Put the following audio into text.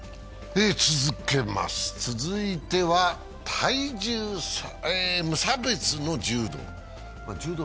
続いては、体重無差別の柔道。